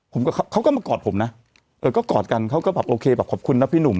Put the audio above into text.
ผมกับเขาก็มากอดผมนะเออก็กอดกันเขาก็แบบโอเคแบบขอบคุณนะพี่หนุ่ม